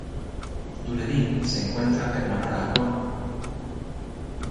Dunedin se encuentra hermanada con